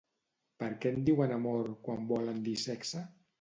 Perquè en diuen amor quan volen dir sexe